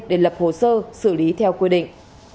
để lập hồ sơ xử lý theo quy định